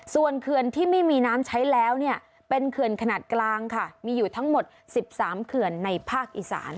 ส่วนเขื่อนที่ไม่มีน้ำใช้แล้วเนี่ยเป็นเขื่อนขนาดกลางค่ะมีอยู่ทั้งหมด๑๓เขื่อนในภาคอีสาน